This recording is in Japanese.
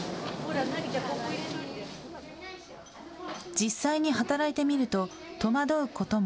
実際に働いてみると戸惑うことも。